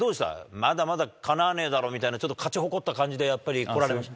まだまだかなわねーだろ、みたいな、ちょっと勝ち誇った感じでやっぱり、来られました？